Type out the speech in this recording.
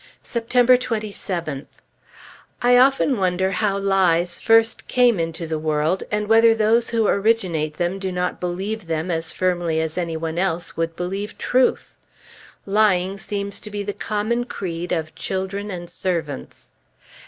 September 27th. I often wonder how lies first came into the world, and whether those who originate them do not believe them as firmly as any one else would believe truth. Lying seems to be the common creed of children and servants.